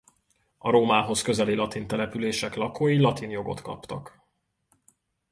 A Rómához közeli latin települések lakói latin jogot kaptak.